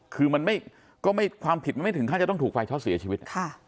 คือความผิดมันไม่ถึงขั้นจะต้องถูกไฟช็อตเสียชีวิต